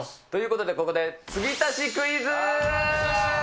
ということでここで、継ぎ足しクイズ。